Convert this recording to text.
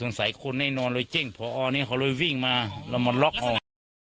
สงสัยคนแน่นอนเลยเจ้งพออเรานี่เขาเลยวิ่งมาลำลังล็อกออก